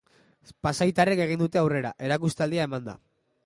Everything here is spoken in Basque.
Pasaitarrek egin dute aurrera, erakustaldia emanda.